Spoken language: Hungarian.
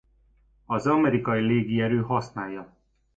Az Amerikai Légierő használja.